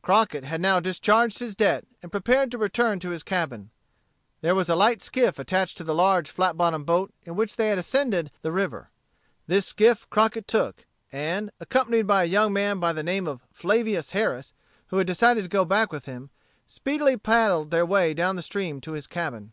Crockett had now discharged his debt, and prepared to return to his cabin. There was a light skiff attached to the large flat bottomed boat in which they had ascended the river. This skiff Crockett took, and, accompanied by a young man by the name of Flavius Harris, who had decided to go back with him, speedily paddled their way down the stream to his cabin.